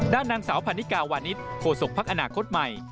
ด้านนางสาวพาณิกาวานิสโฆษกภัคอนาคตใหม่